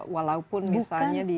walaupun misalnya di